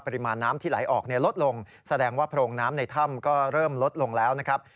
ปริมาณน้ำที่ไหลออกเนี่ยลดลงแสดงว่าโพรงน้ำในถ้ำก็เริ่มลดลงแล้วนะครับ